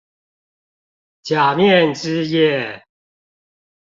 假面之夜